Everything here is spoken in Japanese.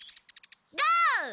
ゴー！